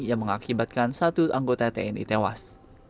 yang mengakibatkan satu anggota tni tewas